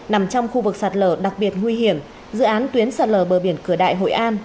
nằm trong khu vực sạt lở đặc biệt nguy hiểm dự án tuyến sạt lở bờ biển cửa đại hội an